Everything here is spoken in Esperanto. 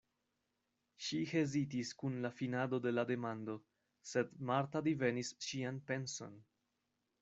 Ŝi hezitis kun la finado de la demando, sed Marta divenis ŝian penson.